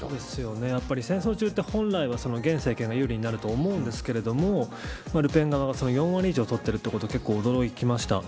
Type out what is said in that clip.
戦争中は本来、現政権が有利になると思うんですけどルペン側は４割以上とってるということに驚きました。